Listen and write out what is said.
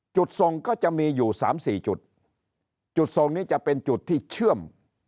จุดทรงก็จะมีอยู่สามสี่จุดจุดทรงนี้จะเป็นจุดที่เชื่อม